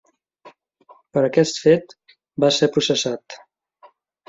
Per aquest fet va ser processat.